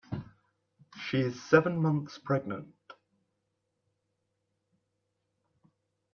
She is seven months pregnant.